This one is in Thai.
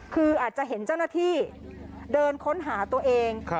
คืออาจจะเห็นเจ้าหน้าที่เดินค้นหาตัวเอง